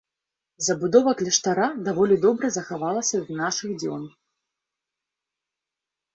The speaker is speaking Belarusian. Забудова кляштара даволі добра захавалася да нашых дзён.